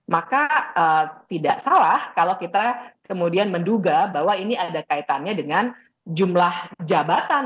maka tidak salah kalau kita kemudian menduga bahwa ini ada kaitannya dengan jumlah jabatan